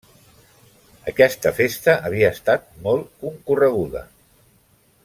Aquesta festa havia estat molt concorreguda.